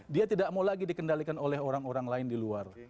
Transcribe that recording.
dia tidak mau lagi dikendalikan oleh orang orang lain di luar